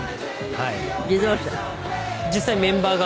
はい。